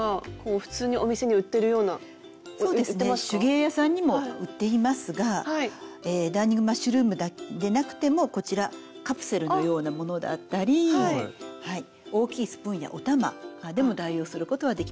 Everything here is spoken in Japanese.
手芸屋さんにも売っていますがダーニングマッシュルームでなくてもこちらカプセルのようなものだったり大きいスプーンやお玉でも代用することはできます。